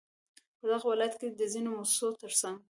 په دغه ولايت كې د ځينو مؤسسو ترڅنگ